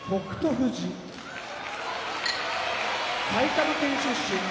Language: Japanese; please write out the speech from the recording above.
富士埼玉県出身